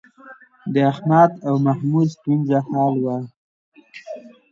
د احمد او محمود ستونزه حل وه.